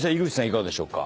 いかがでしょうか？